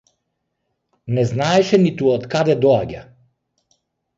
Не знаеше ниту од каде доаѓа.